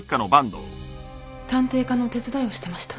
探偵課の手伝いをしてました。